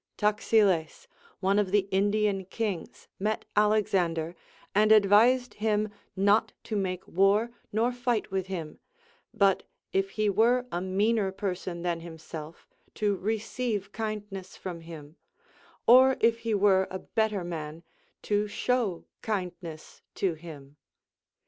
Taxiles, one of the Indian kings, met Alexander, and advised him not to make war nor fight with him, but if he Avere a meaner person than himself, to receive kindness from him, or if he were a better man, to show kindness to him.